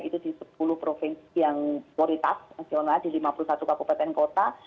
itu di sepuluh provinsi yang kualitas nasional di lima puluh satu kabupaten kota